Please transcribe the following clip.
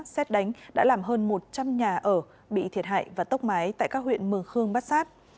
xét đánh đã làm hơn một trăm linh nhà ở bị thiệt hại và tốc mái tại các huyện mường khương bát sát